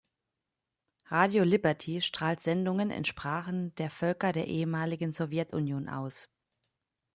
Radio Liberty strahlt Sendungen in Sprachen der Völker der ehemaligen Sowjetunion aus.